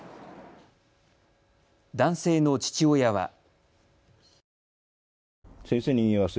男性の父親は。